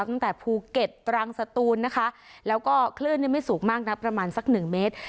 ตั้งแต่ภูเก็ตตรังสตูนนะคะแล้วก็คลื่นเนี่ยไม่สูงมากนักประมาณสักหนึ่งเมตร